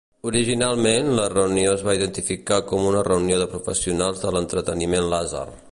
Originalment, la reunió es va identificar com una reunió de Professionals de l'entreteniment làser.